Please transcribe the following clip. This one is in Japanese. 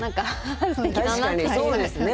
確かにそうですね